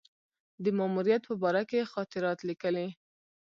د ماموریت په باره کې یې خاطرات لیکلي.